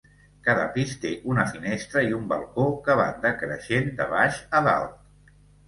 Cada pis té una finestra i un balcó que van decreixent de baix a dalt.